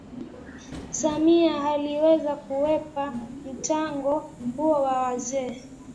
Samia aliweza kukwepa mtego huo wa wazee